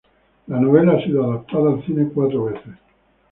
La novela ha sido adaptada al cine cuatro veces.